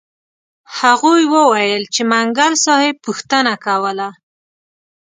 هغوی وویل چې منګل صاحب پوښتنه کوله.